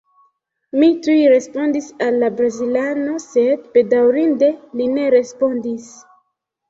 Mi tuj respondis al la brazilano, sed bedaŭrinde li ne respondis.